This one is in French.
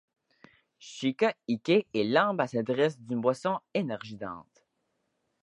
Chika Ike est l'ambassadrice d'une boisson énergisante.